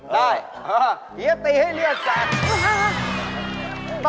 ได้พี่จะตีให้เลี่ยดแสด